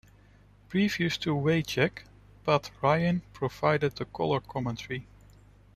Previous to Wycheck, Pat Ryan provided the color commentary.